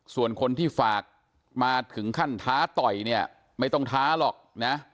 ส่วนคนที่ฝากมาถึงขั้นท้าต่อยเนี่ยไม่ต้องท้าหรอกนะ